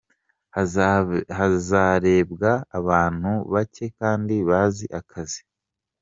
Hazarebwa abantu bake kandi bazi akazi.